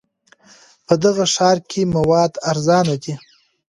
په دغه ښار کې مواد ارزانه دي.